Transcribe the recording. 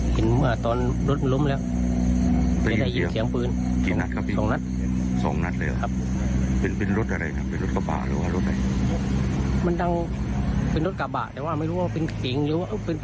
เพราะไม่ทันได้เห็น